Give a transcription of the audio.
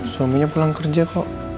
suaminya pulang kerja kok